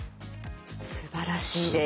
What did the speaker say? すばらしいです。